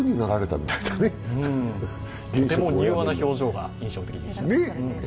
とても柔和な表情が印象的でした。